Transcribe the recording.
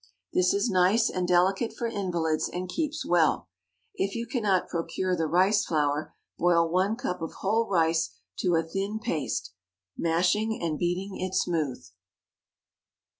This is nice and delicate for invalids, and keeps well. If you cannot procure the rice flour, boil one cup of whole rice to a thin paste, mashing and beating it smooth.